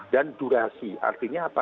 dan durasi artinya apa